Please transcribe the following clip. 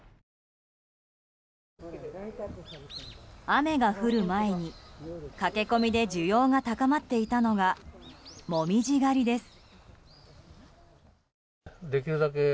雨が降る前に駆け込みで需要が高まっていたのが紅葉狩りです。